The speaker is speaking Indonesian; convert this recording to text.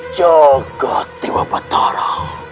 jaga tewa batara